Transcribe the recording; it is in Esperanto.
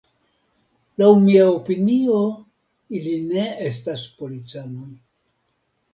Laŭ mia opinio ili ne estis policanoj.